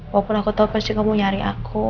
walaupun aku tahu pasti kamu nyari aku